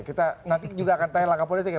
kita nanti juga akan tanya langkah politik ya